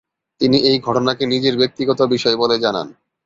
তিনি এই ঘটনাকে নিজের ব্যক্তিগত বিষয় বলে জানান।